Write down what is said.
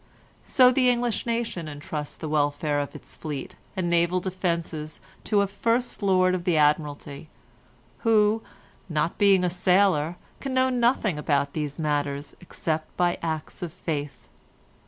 So the English nation entrusts the welfare of its fleet and naval defences to a First Lord of the Admiralty, who, not being a sailor can know nothing about these matters except by acts of faith.